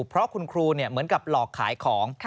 เพราะคุณครูเหมือนกับหลอกขายของ